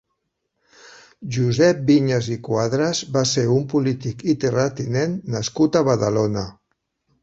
Josep Viñas i Cuadras va ser un polític i terratinent nascut a Badalona.